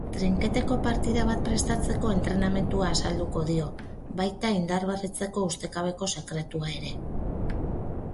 Trinketeko partida bat prestatzeko entrenamendua azalduko dio, baita indarberritzeko ustekabeko sekretua ere.